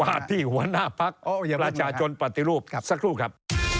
ที่หัวหน้าพักประชาชนปฏิรูปสักครู่ครับ